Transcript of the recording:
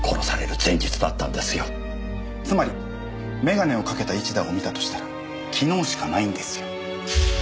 つまり眼鏡をかけた市田を見たとしたら昨日しかないんですよ。